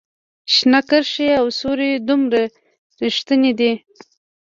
شنه کرښې او سورې دومره ریښتیني دي